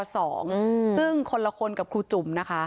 ซึ่งคนละคนกับครูจุ่มนะคะ